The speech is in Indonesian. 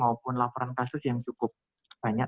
maupun laporan kasus yang cukup banyak